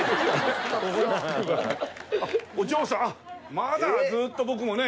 まだずーっと僕もね